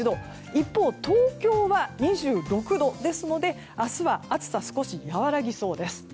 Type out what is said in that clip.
一方、東京は２６度ですので明日は暑さが少し和らぎそうです。